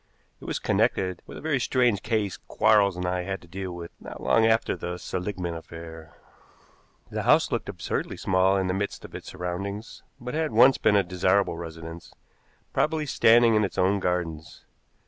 It was connected with a very strange case Quarles and I had to deal with not long after the Seligmann affair. The house looked absurdly small in the midst of its surroundings, but had once been a desirable residence, probably standing in its own gardens.